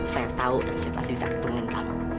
saya tahu dan saya masih bisa ketemuin kamu